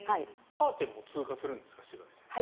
カーテンも通過するんですか？